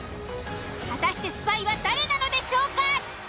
果たしてスパイは誰なのでしょうか？